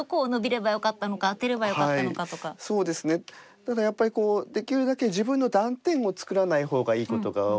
ただやっぱりできるだけ自分の断点を作らない方がいいことが多いので。